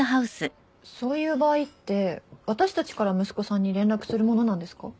そういう場合って私たちから息子さんに連絡するものなんですか？